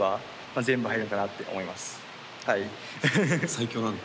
最強なんだ？